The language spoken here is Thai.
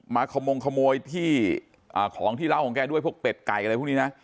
ขมงขโมยที่ของที่เล่าของแกด้วยพวกเป็ดไก่อะไรพวกนี้นะ